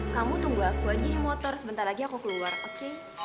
kamu tunggu aku aja ini motor sebentar lagi aku keluar oke